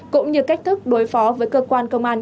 cũng như cách thức đối phó với cơ quan công an